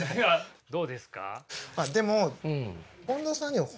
どうですか？